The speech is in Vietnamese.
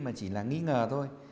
mà chỉ là nghi ngờ thôi